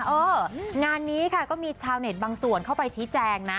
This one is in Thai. เอองานนี้ค่ะก็มีชาวเน็ตบางส่วนเข้าไปชี้แจงนะ